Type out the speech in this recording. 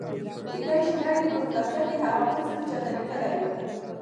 کېدای شي نايلې په کتابچه کې هغه زړه بل چاته لیکلی و.؟؟